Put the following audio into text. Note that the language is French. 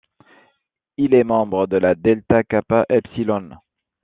Il est membre de la Delta Kappa Epsilon.